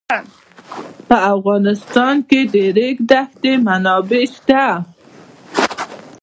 په افغانستان کې د د ریګ دښتې منابع شته.